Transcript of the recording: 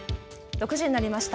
６時になりました。